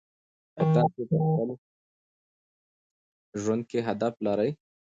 آیا تاسې په خپل ژوند کې هدف لرئ؟